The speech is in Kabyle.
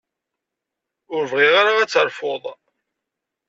Ur bɣiɣ ara ad terfuḍ.